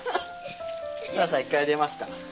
正さん１回出ますか？